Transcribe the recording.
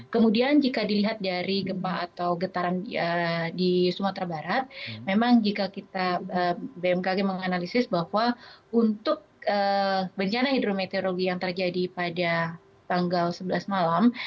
kemudian jika dilihat dari gempa atau getaran di sumatera barat memang jika kita bmkg menganalisis bahwa untuk bencana hidrometeorologi yang terjadi pada tanggal sebelas malam